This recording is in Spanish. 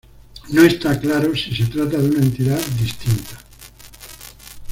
No está claro si se trata de una entidad distinta.